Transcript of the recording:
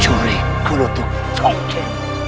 curi kulutuk congkir